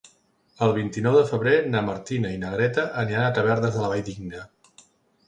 El vint-i-nou de febrer na Martina i na Greta aniran a Tavernes de la Valldigna.